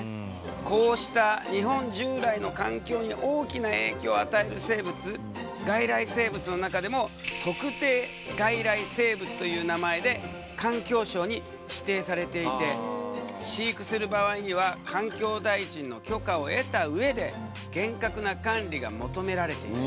こうした日本従来の環境に大きな影響を与える生物外来生物の中でも特定外来生物という名前で環境省に指定されていて飼育する場合には環境大臣の許可を得た上で厳格な管理が求められている。